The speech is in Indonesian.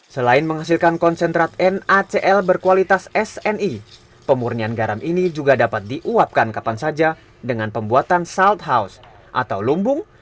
selain menghasilkan konsentrat nacl berkualitas sni pemurnian garam ini juga dapat diuapkan kapan saja dengan pembuatan south house atau lumbung